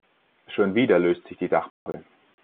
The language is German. Schon wieder löst sich die Dachpappe.